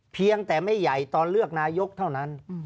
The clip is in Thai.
เพียงแต่ไม่ใหญ่ตอนเลือกนายกเท่านั้น